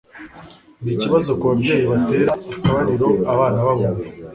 Nikibazo kubabyeyi batera akabariro abana babumva